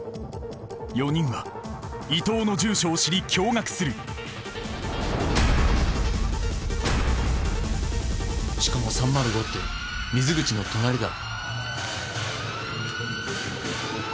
４人は伊藤の住所を知り驚がくするしかも３０５って水口の隣だ。